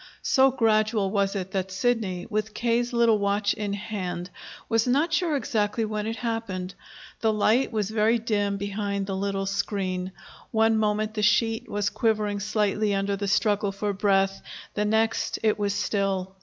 So gradual was it that Sidney, with K.'s little watch in hand, was not sure exactly when it happened. The light was very dim behind the little screen. One moment the sheet was quivering slightly under the struggle for breath, the next it was still.